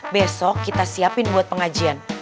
besok kita siapin buat pengajian